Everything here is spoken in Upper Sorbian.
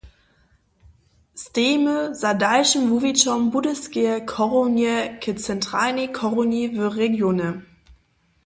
Stejimy za dalšim wuwićom Budyskeje chorownje k centralnej chorowni w regionje.